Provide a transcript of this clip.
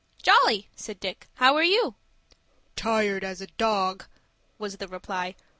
"Jolly," said Dick. "How are you?" "Tired as a dog," was the reply.